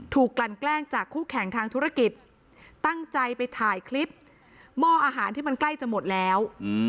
กลั่นแกล้งจากคู่แข่งทางธุรกิจตั้งใจไปถ่ายคลิปหม้ออาหารที่มันใกล้จะหมดแล้ว